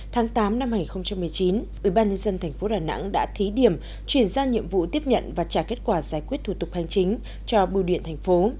tháng tám năm hai nghìn một mươi chín ubnd tp đà nẵng đã thí điểm chuyển ra nhiệm vụ tiếp nhận và trả kết quả giải quyết thủ tục hành chính cho bưu điện thành phố